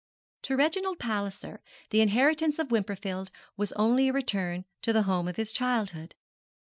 To Reginald Palliser the inheritance of Wimperfield was only a return to the home of his childhood.